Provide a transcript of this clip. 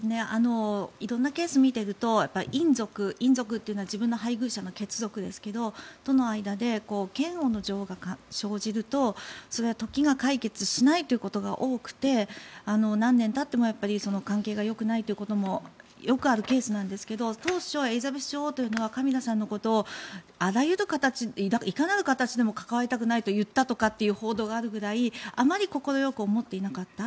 色んなケースを見ていると姻族、姻族というのは自分の配偶者の血族ですけどそこに嫌悪の情が生じると時が解決しないということが多くて何年たっても関係がよくないということもよくあるケースなんですが当初、エリザベス女王はカミラさんのことをいかなる形でも関わりたくないと言ったという報道があるぐらいあまり快く思っていなかった。